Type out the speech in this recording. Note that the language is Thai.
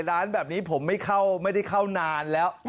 ร้านแบบนี้ผมไม่เข้าไม่ได้เข้านานแล้ว